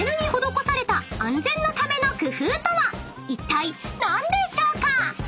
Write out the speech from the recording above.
［いったい何でしょうか？］